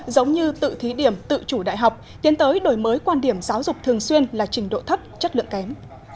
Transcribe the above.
giống như tự thí điểm tự chủ đại học tiến tới đổi mới quan điểm giáo dục thường xuyên là trình độ thấp chất lượng kém